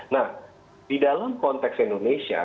nah di dalam konteks indonesia